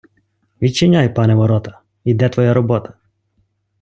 Відчиняй, пане, ворота- йде твоя робота!